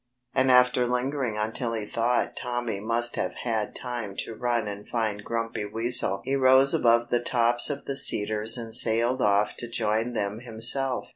And after lingering until he thought Tommy must have had time to run and find Grumpy Weasel he rose above the tops of the cedars and sailed off to join them himself.